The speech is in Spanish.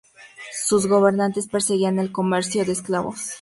Sus gobernantes perseguían el comercio de esclavos.